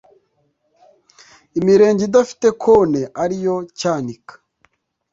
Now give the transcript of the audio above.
Imirenge idafite Konte ariyo Cyanika